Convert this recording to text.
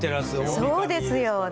そうですよね。